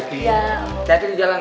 hati hati di jalan